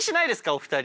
お二人。